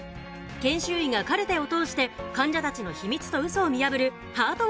研修医がカルテを通して患者たちの秘密とウソを見破るハート